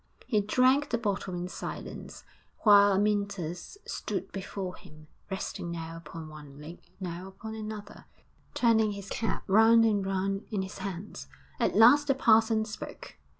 He drank the bottle in silence, while Amyntas stood before him, resting now upon one leg now upon another, turning his cap round and round in his hands. At last the parson spoke.